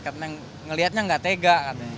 katanya ngelihatnya gak tega